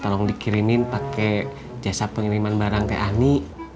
tolong dikirimin pake jasa pengiriman barang teh ani